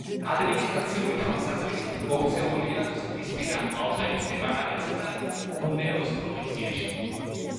ადმინისტრაციული თვალსაზრისით მოქცეულია ზღვისპირა ალპების დეპარტამენტსა და კუნეოს პროვინციაში.